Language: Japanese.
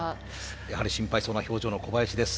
やはり心配そうな表情の小林です。